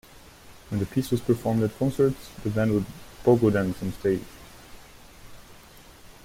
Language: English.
When the piece was performed at concerts, the band would pogo dance on stage.